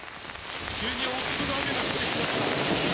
急に大粒の雨が降ってきました。